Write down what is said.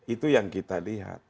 itu yang kita lihat